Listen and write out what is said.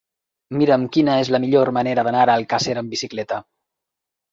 Mira'm quina és la millor manera d'anar a Alcàsser amb bicicleta.